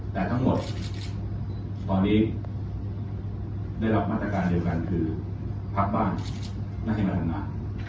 แต่ทั้งหมดตอนนี้ได้รับมาตรการเดียวกันคือพักบ้านหน้าที่การทำงาน